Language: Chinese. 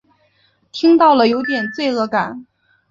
听到了有点罪恶感